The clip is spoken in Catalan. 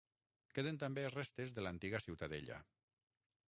Queden també restes de l'antiga ciutadella.